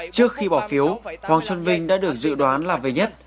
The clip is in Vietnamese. trước khi bỏ phiếu hoàng xuân vinh đã được dự đoán là về nhất